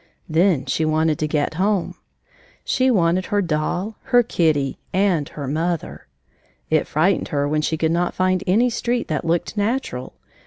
Then she wanted to get home. She wanted her doll, her kitty, and her mother! It frightened her when she could not find any street that looked natural.